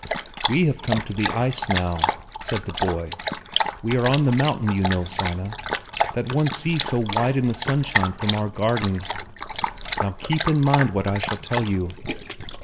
"We have come to the ice now," said the boy; "we are on the mountain, you know, Sanna, that one sees so white in the sunshine from our garden. Now keep in mind what I shall tell you.